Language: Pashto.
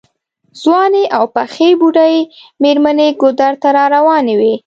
ځوانې او پخې بوډۍ مېرمنې ګودر ته راروانې وې.